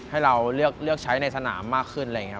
ให้เราเลือกใช้ในสนามมากขึ้น